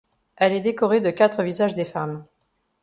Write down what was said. Elle est décorée de quatre visages des femmes.